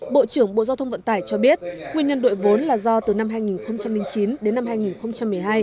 bộ trưởng bộ giao thông vận tải cho biết nguyên nhân đội vốn là do từ năm hai nghìn chín đến năm hai nghìn một mươi hai